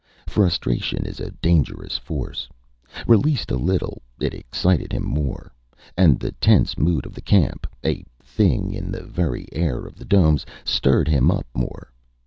Frustration is a dangerous force. Released a little, it excited him more. And the tense mood of the camp a thing in the very air of the domes stirred him up more.